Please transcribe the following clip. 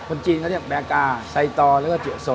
คนจีนก็เรียกแบกกาไซตอแล้วก็เจี๋ยวสด